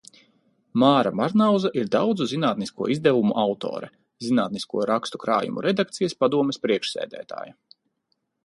Māra Marnauza ir daudzu zinātnisko izdevumu autore, zinātnisko rakstu krājumu redakcijas padomes priekšsēdētāja.